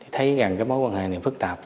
thấy rằng cái mối quan hệ này phức tạp